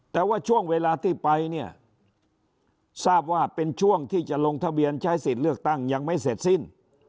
แต่ว่าช่วงเวลาที่ไปเนี่ยทราบว่าเป็นช่วงที่จะลงทะเบียนใช้สิทธิ์เลือกตั้งยังไม่เสร็จสิ้น